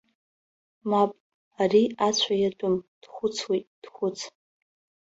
Мап, ари ацәа иатәым, дхәыцуеит, дхәыц!